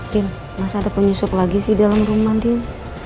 tim masa depan yusuf lagi sih dalam rumah din